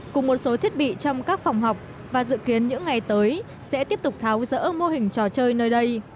cùng một số thiết bị trong các phòng học và dự kiến những ngày tới sẽ tiếp tục tháo rỡ mô hình trò chơi nơi đây